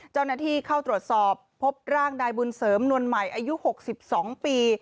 เจ้าหน้าที่เข้าตรวจสอบพบร่างนายบุญเสริมนวลใหม่อายุ๖๒ปี